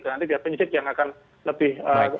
nanti biar penyidik yang akan lebih